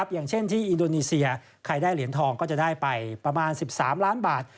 อย่างเช่นที่อินโดนีเซียใครได้เหรียญทองก็จะได้ไปประมาณ๑๓ล้านบาท